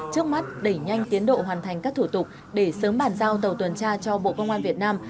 trước mắt đẩy nhanh tiến độ hoàn thành các thủ tục để sớm bàn giao tàu tuần tra cho bộ công an việt nam